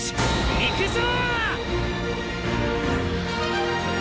行くぞ！